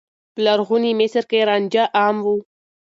په لرغوني مصر کې رانجه عام و.